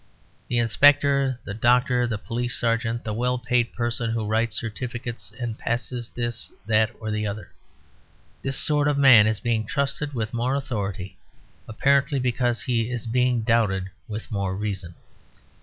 The inspector, the doctor, the police sergeant, the well paid person who writes certificates and "passes" this, that, or the other; this sort of man is being trusted with more authority, apparently because he is being doubted with more reason.